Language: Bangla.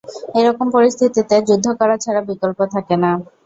এ রকম পরিস্থিতিতে যুদ্ধ করা ছাড়া বিকল্প থাকে না।